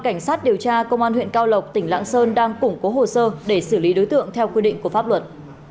cảnh sát điều tra công an huyện cao lộc tỉnh lạng sơn đang củng cố hồ sơ để xử lý đối tượng theo quy định của pháp luật